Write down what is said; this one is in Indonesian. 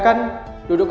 aku mau nyamperin mereka